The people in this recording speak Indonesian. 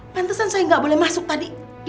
pantesan saya nggak boleh masuk tadi